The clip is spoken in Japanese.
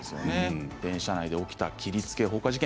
電車内で起きた切りつけ放火事件